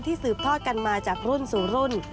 สืบทอดกันมาจากรุ่นสู่รุ่น